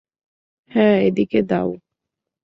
হ্যাঁ, এদিকে দাও।